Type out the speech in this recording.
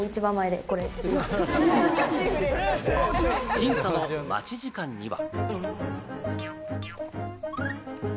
審査の待ち時間には。